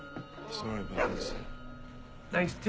すごい頭。